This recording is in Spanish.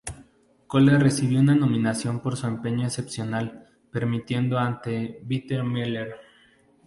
Cole recibió una nominación por su desempeño excepcional, perdiendo ante Bette Miller.